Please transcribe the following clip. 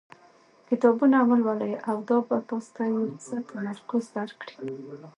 کتابونه ولولئ او دا به تاسو ته یو څه تمرکز درکړي.